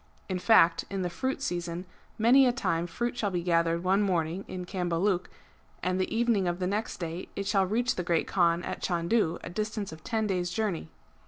(In fact in the fruit season many a time fruit shall be gathered one morning in Cambaluc, and the evening of the next day it shall reach the Great Kaan at Chandu, a distance of ten days' journey.